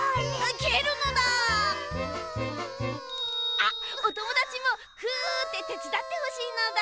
あっおともだちもふっててつだってほしいのだ！